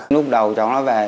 lúc đầu cháu nó về